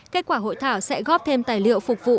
kết quả hội thảo sẽ góp thêm tài liệu phục vụ